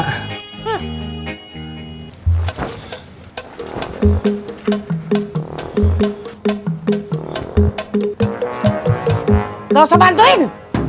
nggak usah bantuin